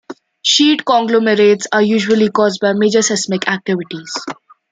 Sheet conglomerates are usually caused by major seismic activity.